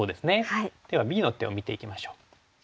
ではＢの手を見ていきましょう。